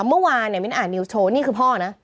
เมื่อวานมินทร์อ่านนิวโชว์นี่คือพ่อนะ